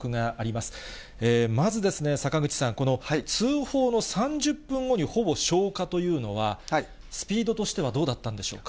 まず、坂口さん、この通報の３０分後にほぼ消火というのは、スピードとしてはどうだったんでしょうか？